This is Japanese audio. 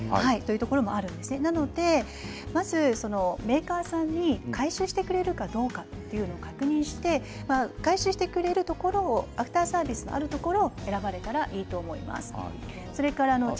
ですので、まずメーカーさんに回収してくれるかどうかという確認をして回収してくれるところアフターサービスがあるところを選ばれたらいいと思います。